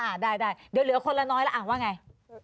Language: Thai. อ่าได้เดี๋ยวคนละน้อยละว่าไง